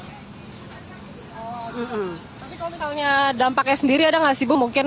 tapi kalau misalnya dampaknya sendiri ada nggak sih bu mungkin